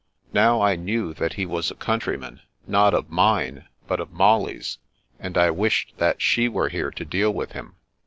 Now I knew that he was a countryman, not of mine, but of Molly's, and I wished that she were here to deal with him.